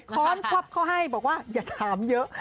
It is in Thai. ้อนควับเขาให้บอกว่าอย่าถามเยอะ